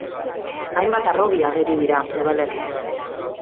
Hainbat harrobi ageri dira udalerrian.